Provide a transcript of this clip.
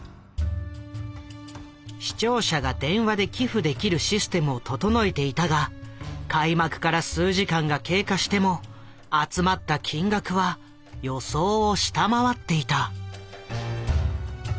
視聴者が電話で寄付できるシステムを整えていたが開幕から数時間が経過しても集まった金額は予想を下回っていた。